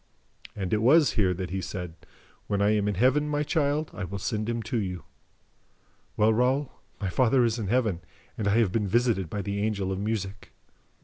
"And it was here that he said, 'When I am in Heaven, my child, I will send him to you.' Well, Raoul, my father is in Heaven, and I have been visited by the Angel of Music."